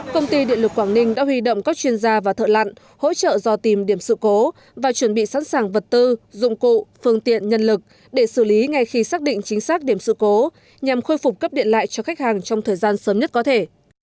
công ty điện lực quảng ninh đã huy động các chuyên gia và thợ lặn hỗ trợ do tìm điểm sự cố và chuẩn bị sẵn sàng vật tư dụng cụ phương tiện nhân lực để xử lý ngay khi xác định chính xác điểm sự cố nhằm khôi phục cấp điện lại cho khách hàng trong thời gian sớm nhất có thể